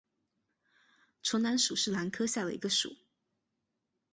唇兰属是兰科下的一个属。